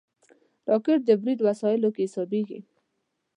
راکټ د برید وسایلو کې حسابېږي